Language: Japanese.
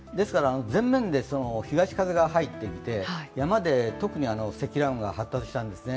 前面で東風が入ってきて、山で特別に積乱雲が発達したんですね。